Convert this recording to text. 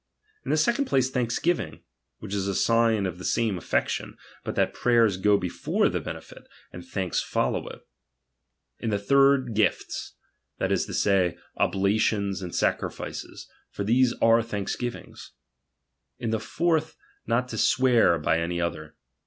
In the second place, thanksgiving ; which is a sign of the same affection, but that prayers hpfore the benefit, and thanks follow it. lace. orayers ^jo J RELIGION. 217 i In the third, gifts, that is to say, ohlalions and cha sfTcrificcs ; for these are thanksgivings. ^^"^ lu the fourth, not to sicear by any other.